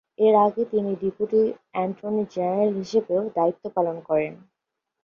এর আগে তিনি ডেপুটি অ্যাটর্নি জেনারেল হিসেবেও দায়িত্ব পালন করেন।